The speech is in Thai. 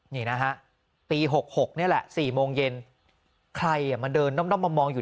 นี่นะฮะปี๖๖นี่แหละ๔โมงเย็นใครอ่ะมาเดินด้อมมามองอยู่